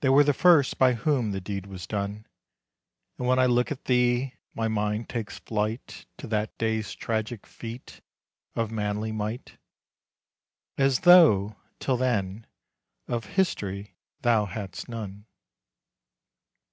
They were the first by whom the deed was done, 5 And when I look at thee, my mind takes flight To that day's tragic feat of manly might, As though, till then, of history thou hadst none.